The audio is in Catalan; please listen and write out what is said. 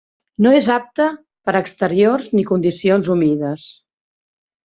No és apte per a exterior ni condicions humides.